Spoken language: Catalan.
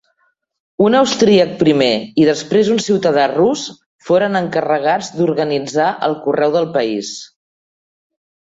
Un austríac primer i després un ciutadà rus foren encarregats d'organitzar el correu del país.